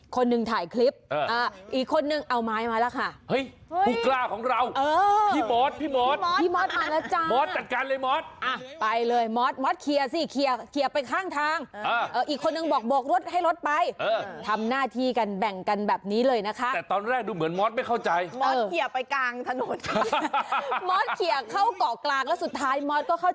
คนหนึ่งถ่ายคลิปอีกคนหนึ่งเอาไม้มาแล้วค่ะ